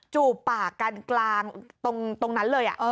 จูบปากกันกลางตรงนั้นเลย